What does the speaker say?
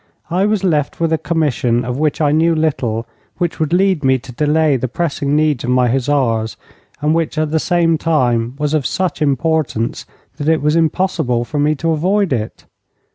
I was left with a commission of which I knew little, which would lead me to delay the pressing needs of my hussars, and which at the same time was of such importance that it was impossible for me to avoid it.